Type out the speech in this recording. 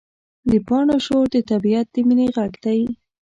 د پاڼو شور د طبیعت د مینې غږ دی.